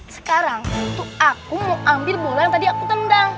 sekarang itu aku mau ambil bola yang tadi aku tendang